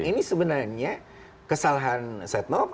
ini sebenarnya kesalahan set mob